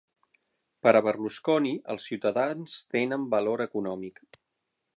Per a Berlusconi, els ciutadans tenen valor econòmic.